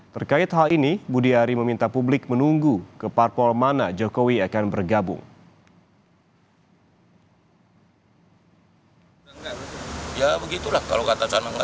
terkait hal ini budi ari meminta publik menunggu ke parpol mana jokowi akan bergabung